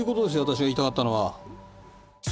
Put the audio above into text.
私が言いたかったのは。